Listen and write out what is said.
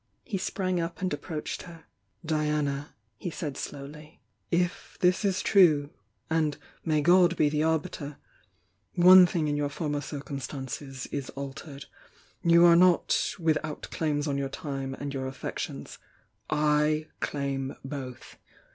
He irang up and approached her. "Diana," he said slowly— "If this is true,— and may God be the arbiter! — one thbg in your former circumstances is altered— you are not 'without claims on your time and your affections.' / claim both!